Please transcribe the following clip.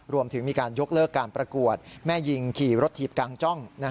รวมถึงมีการยกเลิกการประกวดแม่ยิงขี่รถถีบกลางจ้อง